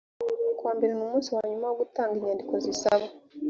ku wa mbere ni umunsi wa nyuma wo gutanga inyandiko zisaba